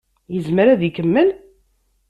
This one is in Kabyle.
Yezmer ad ikemmel?